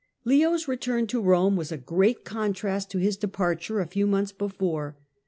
Leo's return to Eome was a great contrast to his de parture a few months before.